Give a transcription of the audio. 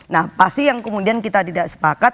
nah pasti yang kemudian kita tidak sepakat